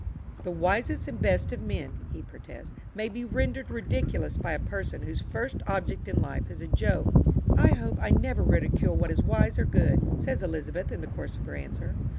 "The wisest and best of men," ... he protests, "may be rendered ridiculous by a person whose first object in life is a joke." "I hope I never ridicule what is wise or good," says Elizabeth in the course of her answer.